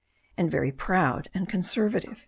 "And very proud and conservative.